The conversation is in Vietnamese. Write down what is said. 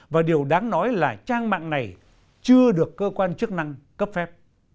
và điều đáng nói là trang mạng này chưa được cơ quan chức năng cấp phép